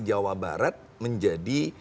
jawa barat menjadi